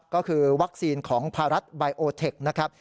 ก็คือวัคซีนของภารัฐบายโอเทคนะครับ